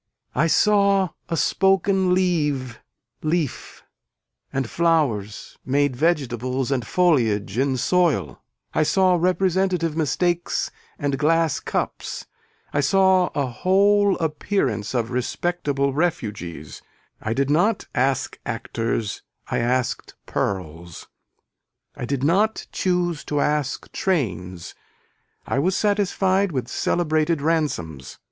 I saw a spoken leave leaf and flowers made vegetables and foliage in soil. I saw representative mistakes and glass cups, I saw a whole appearance of respectable refugees, I did not ask actors I asked pearls, I did not choose to ask trains, I was satisfied with celebrated ransoms.